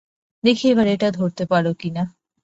দেখি এবার এটা ধরতে পারো কি না।